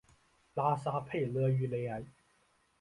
拉沙佩勒于雷埃。